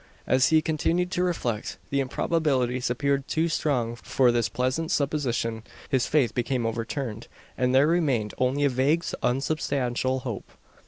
As he continued to reflect, the improbabilities appeared too strong for this pleasant supposition; his faith became overturned; and there remained only a vague unsubstantial hope.